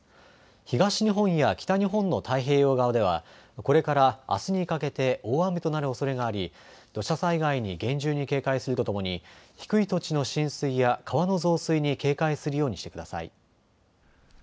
東日本や北日本の太平洋側ではこれからあすにかけて大雨となるおそれがあり土砂災害に厳重に警戒するとともに低い土地の浸水や川の増水に警戒するようにしてください。